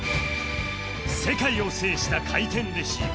世界を制した回転レシーブ